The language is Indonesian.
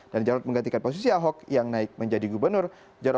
dan jarod menggantikan posisi ahok yang naik menjadi gubernur